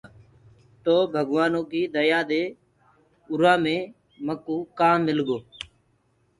تو ڀگوآنو ڪيٚ ديا دي اُرا مي مڪوٚ ڪام مِل گو۔